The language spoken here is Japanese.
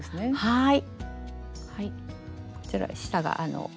はい。